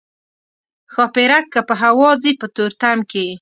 ښاپیرک که په هوا ځي په تورتم کې.